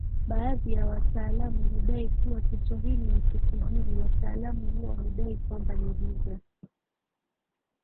Baadhi ya wataalamu hudai kuwa Kiswahili ni KiPijini Wataalamu hawa hudai kwamba ni lugha